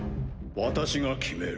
私が決める。